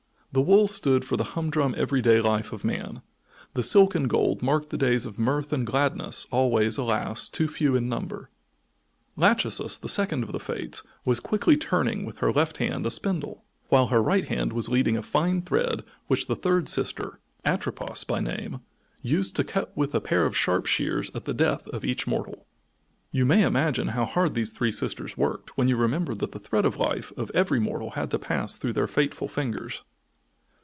The wool stood for the humdrum everyday life of man: the silk and gold marked the days of mirth and gladness, always, alas! too few in number. Lachesis, the second of the Fates, was quickly turning with her left hand a spindle, while her right hand was leading a fine thread which the third sister, Atropos by name, used to cut with a pair of sharp shears at the death of each mortal. You may imagine how hard these three sisters worked when you remember that the thread of life of every mortal had to pass through their fateful fingers.